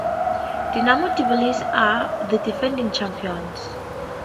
Dinamo Tbilisi are the defending champions.